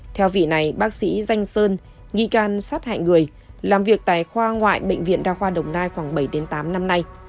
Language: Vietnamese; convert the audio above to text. theo vị này bác sĩ danh sơn nghi can sát hại người làm việc tại khoa ngoại bệnh viện đa khoa đồng nai khoảng bảy tám năm nay